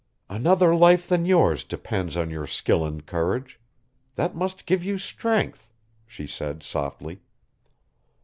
"Another life than yours depends on your skill and courage. That must give you strength," she said softly.